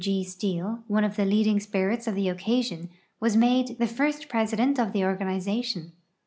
W. G. Steel, one of the leading spirits of the occasion, was made the first president of the organization.